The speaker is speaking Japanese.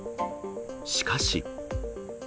しかし。